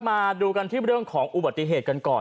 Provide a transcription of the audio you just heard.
มาดูกันที่เรื่องของอุบัติเหตุกันก่อน